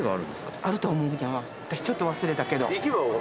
私ちょっと忘れたけど。